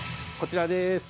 こちらです。